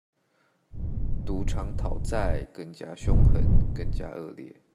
賭場討債更加兇狠、更加惡劣